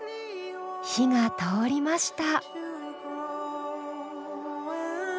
火が通りました。